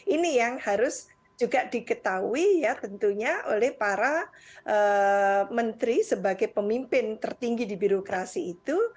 ini yang harus juga diketahui ya tentunya oleh para menteri sebagai pemimpin tertinggi di birokrasi itu